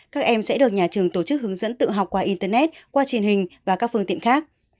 các em sẽ được nhà trường tổ chức hướng dẫn tự học qua internet qua truyền hình và các phương tiện khác